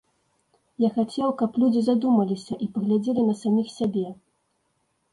Я хацеў, каб людзі задумаліся і паглядзелі на саміх сябе.